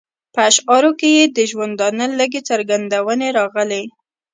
په اشعارو کې یې د ژوندانه لږې څرګندونې راغلې.